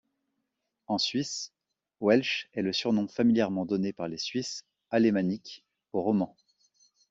En Suisse, Welsch est le surnom familièrement donné par les Suisses alémaniques aux Romands.